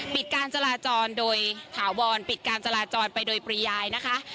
ปิดการจราจรโดยถาวรปิดการจราจรไปโดยปริยายนะคะ